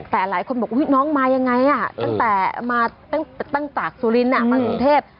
แต่หลายคนบอกน้องมายังไงตั้งแต่มาตั้งแต่สุรินทร์มากรุงเทพ